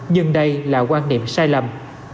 nhưng đây là quan điểm sai lầm